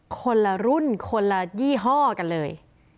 คนละรุ่นคนละยี่ห้อกันเลย